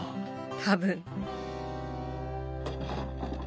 多分。